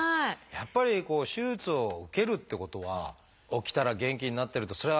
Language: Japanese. やっぱり手術を受けるってことは起きたら元気になってるとそりゃあ